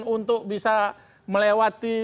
untuk bisa melewati